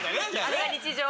あれが日常。